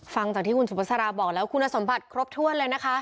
ฟังจากที่คุณสุภาษาบอกแล้วคุณสมบัติครบถ้วนเลยนะคะ